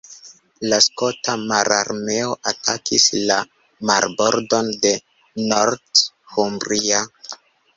La skota mararmeo atakis la marbordon de Northumbria.